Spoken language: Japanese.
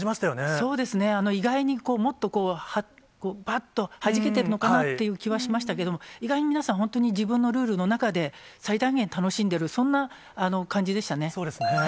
そうですね、意外にもっと、ばっとはじけてるのかなという感じはしましたけれども、意外に皆さん、本当に自分のルールの中で最大限楽しんでいる、そんな感じそうですね。